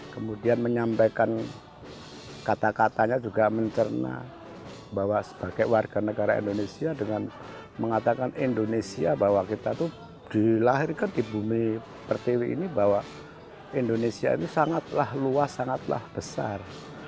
kemudian menyampaikan kata katanya juga mencerna bahwa sebagai warga negara indonesia dengan mengatakan indonesia bahwa kita itu dilahirkan di bumi pertiwi ini bahwa indonesia ini sangatlah luas sangatlah besar